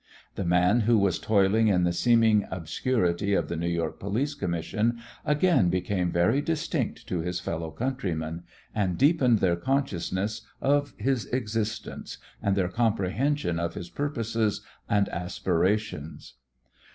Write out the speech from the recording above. The man who was toiling in the seeming obscurity of the New York police commission again became very distinct to his fellow countrymen and deepened their consciousness of his existence and their comprehension of his purposes and aspirations.